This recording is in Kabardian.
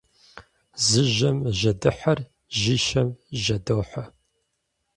Зы жьэм жьэдыхьэр жьищэм жьэдохьэ.